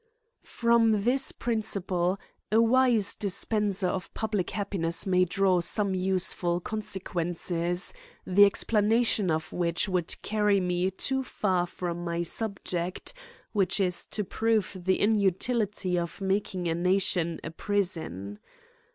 From this principle a wise dispenser of public happiness may draw some useful consequences, the explanation of which would carry me too far from my subject, which is to prove the inutility of making the nation a prison.